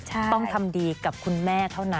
ต้องทำดีกับคุณแม่เท่านั้น